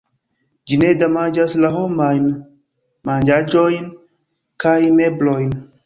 Ĝi ne damaĝas la homajn manĝaĵojn kaj meblojn.